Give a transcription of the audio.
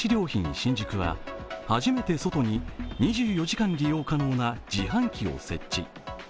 新宿は、初めて外に２４時間利用可能な自販機を設置。